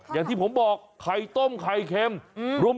อย่างที่ผมบอกไข่ต้มไข่เค็ม